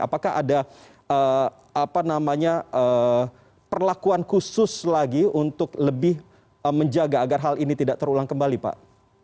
apakah ada perlakuan khusus lagi untuk lebih menjaga agar hal ini tidak terulang kembali pak